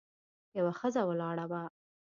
یوه ښځه ولاړه وه.